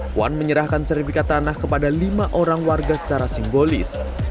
puan menyerahkan sertifikat tanah kepada lima orang warga secara simbolis